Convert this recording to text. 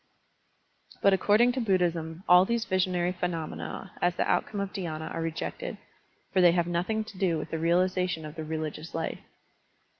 But according to Buddhism all these visionary phenomena as the outcome of dhySna are rejected, for they have nothing to do with the realization of the religious life.